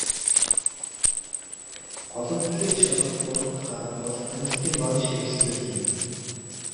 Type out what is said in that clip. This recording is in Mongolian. Гологдлыг шалгах гурав дахь арга бол хяналтын багажхэрэгслэл юм.